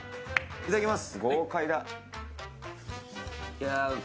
いただきます。